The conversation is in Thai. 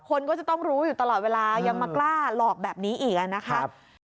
คนก็จะต้องรู้อยู่ตลอดเวลายังมากล้าหลอกแบบนี้อีกนะคะ